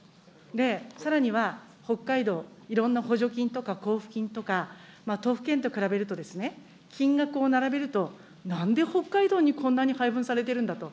さらには、北海道、いろんな補助金とか交付金とか、都府県と比べると、金額を並べると、なんで北海道にこんなに配分されてるんだと。